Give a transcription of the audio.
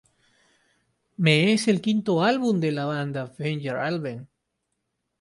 Me es el quinto álbum de la banda Finger Eleven.